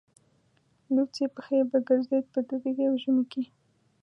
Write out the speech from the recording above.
لوڅې پښې به ګرځېد په دوبي او ژمي کې.